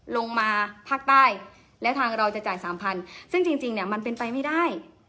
ลงมาภาคใต้และทางเราจะจ่ายสามพันซึ่งจริงเนี่ยมันเป็นไปไม่ได้